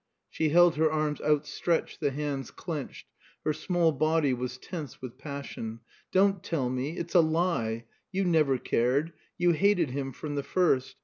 She held her arms outstretched, the hands clenched. Her small body was tense with passion. "Don't tell me. It's a lie. You never cared. You hated him from the first.